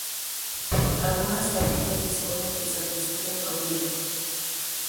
Algunas capillas disponen de sacristía propia.